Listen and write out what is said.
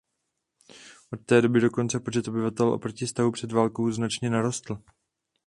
Od té doby dokonce počet obyvatel oproti stavu před válkou značně narostl.